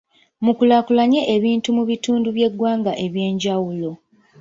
Mukulaakulanye ebintu mu bitundu by'eggwanga eby'enjawulo.